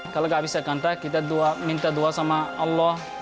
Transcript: kalau tidak bisa dikontak kita minta doa sama allah